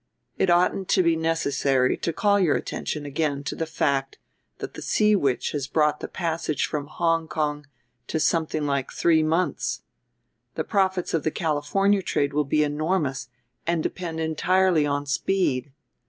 It oughtn't to be necessary to call your attention again to the fact that the Sea Witch has brought the passage from Hong Kong to something like three months. The profits of the California trade will be enormous and depend entirely on speed.